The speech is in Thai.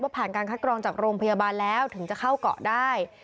ผ่านการคัดกรองจากโรงพยาบาลแล้วถึงจะเข้าเกาะได้